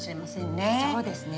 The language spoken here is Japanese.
そうですね。